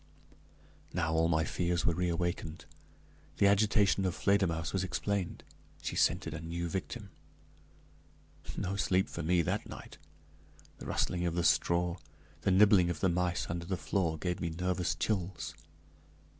Now, all my fears were reawakened; the agitation of Fledermausse was explained she scented a new victim. No sleep for me that night; the rustling of the straw, the nibbling of the mice under the floor, gave me nervous chills.